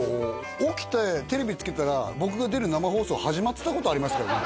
起きてテレビつけたら僕が出る生放送始まってたことありますからね